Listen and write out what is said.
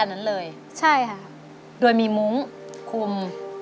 ทั้งในเรื่องของการทำงานเคยทำนานแล้วเกิดปัญหาน้อย